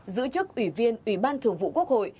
giữ chức ủy viên ủy ban thường vụ quốc hội